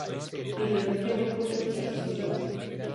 Pidió una tregua política y social.